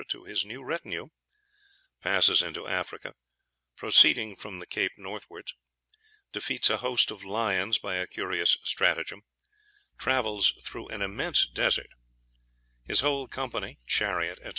to his new retinue Passes into Africa, proceeding from the Cape northwards Defeats a host of lions by a curious stratagem Travels through an immense desert His whole company, chariot, &c.